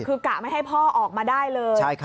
คือกะไม่ให้พ่อออกมาได้เลย